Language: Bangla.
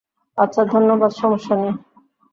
আচ্ছা ধন্যবাদ সমস্যা নেই।